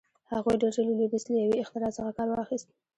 هغوی ډېر ژر له لوېدیځ له یوې اختراع څخه کار واخیست.